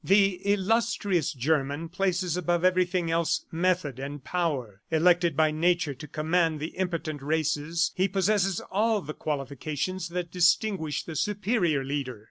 The illustrious German places above everything else, Method and Power. Elected by Nature to command the impotent races, he possesses all the qualifications that distinguish the superior leader.